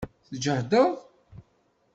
Tǧehdeḍ?